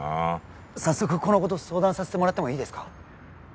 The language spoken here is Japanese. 早速このこと相談させてもらってもいいですか？